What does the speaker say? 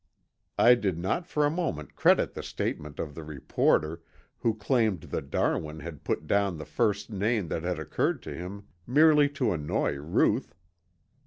I did not for a moment credit the statement of the reporter who claimed that Darwin had put down the first name that had occurred to him merely to annoy Ruth.